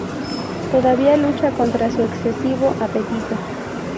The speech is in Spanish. Todavía lucha contra su excesivo apetito.